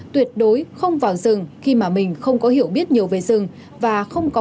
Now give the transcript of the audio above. tuyệt đối không bị lạc